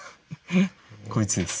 こいつです。